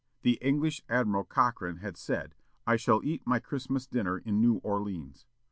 The English Admiral Cochrane had said, "I shall eat my Christmas dinner in New Orleans."